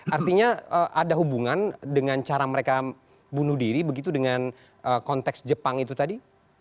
artinya ada hubungan dengan cara mereka bunuh diri begitu dengan konteks jepang itu tadi